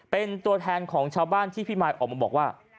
เป็นตัวแทนของชาวบ้านที่พี่มายออกมาบอกว่า